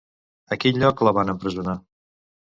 A quin lloc la van empresonar?